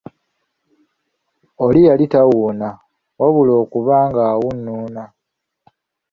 Oli yali tawuuna, wabula okuba ng’awunnuuna.